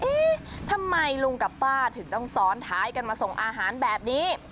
เอ๊ะทำไมลุงกับป้าถึงต้องซ้อนท้ายกันมาส่งอาหารแบบนี้